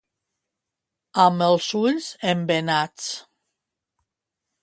Amb els ulls embenats.